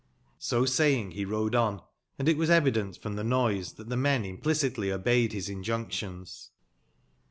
So saying, be rode on, and it was evident from tbe noise, tbat tbe men implicitly obeyed bis injunctions.